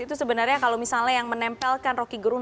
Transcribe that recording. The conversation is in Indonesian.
itu sebenarnya kalau misalnya yang menempelkan roky gerung